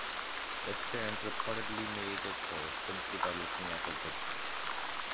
The Sterns reportedly made their choice simply by looking at her picture.